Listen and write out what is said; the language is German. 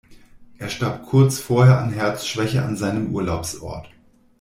Er starb kurz vorher an Herzschwäche an seinem Urlaubsort.